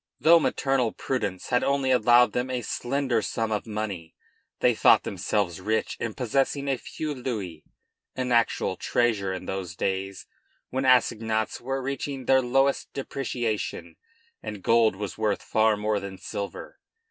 Though maternal prudence had only allowed them a slender sum of money they thought themselves rich in possessing a few louis, an actual treasure in those days when assignats were reaching their lowest depreciation and gold was worth far more than silver.